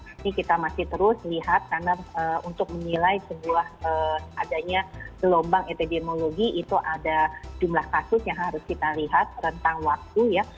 ini kita masih terus lihat karena untuk menilai sebuah adanya gelombang epidemiologi itu ada jumlah kasus yang harus kita lihat rentang waktu ya